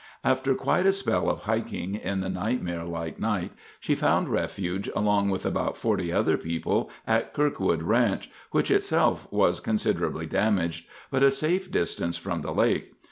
After quite a spell of hiking in the nightmare like night, she found refuge along with about forty other people at Kirkwood Ranch, which itself was considerably damaged, but a safe distance from the lake.